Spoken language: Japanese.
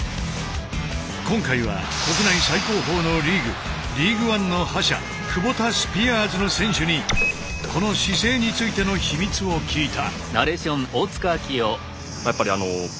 今回は国内最高峰のリーグＬＥＡＧＵＥＯＮＥの覇者クボタスピアーズの選手にこの姿勢についての秘密を聞いた。